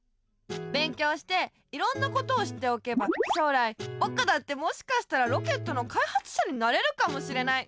勉強していろんなことを知っておけば将来ぼくだってもしかしたらロケットのかいはつしゃになれるかもしれない。